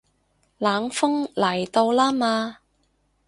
冷鋒嚟到啦嘛